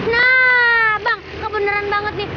nah bang kebenaran banget nih